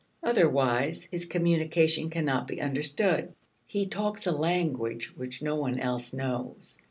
Otherwise his communication cannot be understood. He talks a language which no one else knows.